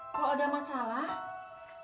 kalau ada masalah